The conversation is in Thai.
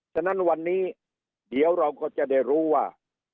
ฉะนั้นวันนี้เดี๋ยวเราก็จะได้รู้ว่า